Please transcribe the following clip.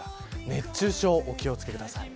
熱中症にお気を付けください。